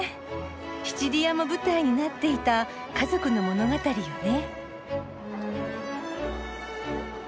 シチリアも舞台になっていた家族の物語よね。